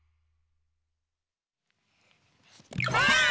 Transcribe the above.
ばあっ！